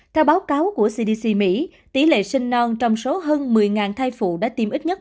theo báo cáo của cdc mỹ tỷ lệ sinh non trong số hơn một mươi thai phụ đã tiêm ít nhất